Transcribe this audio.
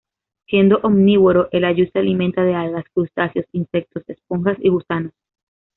Siendo omnívoro, el ayu se alimenta de algas, crustáceos, insectos, esponjas y gusanos.